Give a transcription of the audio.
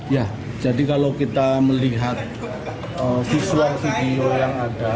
ya jadi kalau kita melihat visual video yang ada